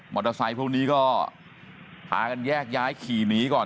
มอเตอร์ไซต์พวกนี้ก็หากันแยกย้ายขี่หนีก่อน